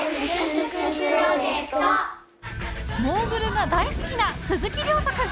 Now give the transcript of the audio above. モーグルが大好きな鈴木亮翔君。